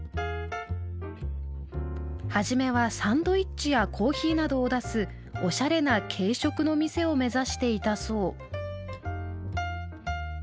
初めはサンドイッチやコーヒーなどを出すおしゃれな軽食の店を目指していたそう。